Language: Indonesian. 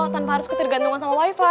tanpa harus ketergantungan sama wifi